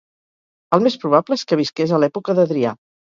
El més probable és que visqués a l'època d'Adrià.